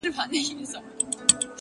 • ته په زولنو کي د زندان حماسه ولیکه,